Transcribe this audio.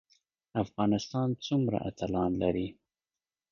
افغانستان څومره اتلان لري؟